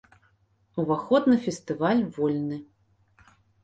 Уваход на фестываль вольны.